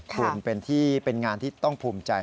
คุณเป็นงานที่ต้องภูมิใจ